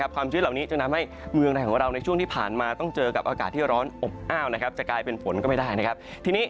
ความชื้นเหล่านี้จึงทำให้เมืองไทยของเราในช่วงที่ผ่านมาต้องเจอกับอากาศที่ร้อนอบอ้าวจะกลายเป็นฝนก็ไม่ได้นะครับ